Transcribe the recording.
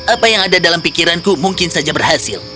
apa yang ada dalam pikiranku mungkin saja berhasil